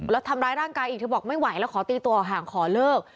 แล้วทำร้ายร่างกายอีกเธอบอกไม่ไหวแล้วขอตีตัวออกห่างขอเลิก